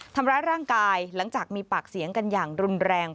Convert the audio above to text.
ทำร้ายร่างกายหลังจากมีปากเสียงกันอย่างรุนแรง